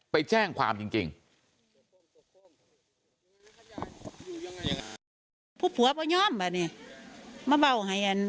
ไปแจ้งความจริงจริง